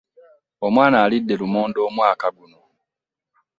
Omwana alidde lumonde omwaka guno!